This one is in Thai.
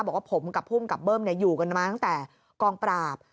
บอกว่าผมกับภูมิกับเบิ้มอยู่กันมาตั้งแต่กองปราบ